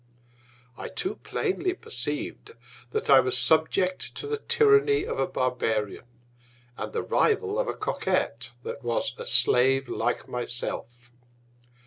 I too plainly perceiv'd, that I was subject to the Tyranny of a Barbarian, and the Rival of a Coquet, that was a Slave like myself.